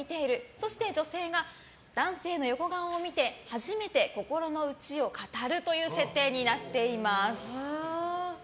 そして女性が男性の横顔を見て初めて心の内を語るという設定になっています。